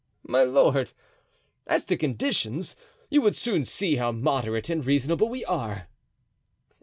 "Ah, my lord! as to conditions, you would soon see how moderate and reasonable we are!"